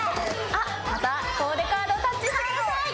あっまたコーデカードタッチしてください。